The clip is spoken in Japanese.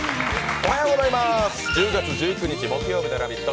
おはようございます、１０月１９日木曜日の「ラヴィット！」